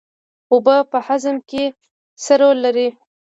اوبه په هاضمه کې څه رول لري